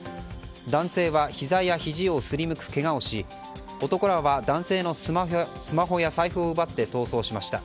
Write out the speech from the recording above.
男性はひざやひじをすりむくけがをし男らは男性のスマホや財布を奪って逃走しました。